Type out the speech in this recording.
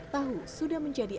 tahu sudah menjadi